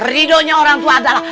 redonya orang tua adalah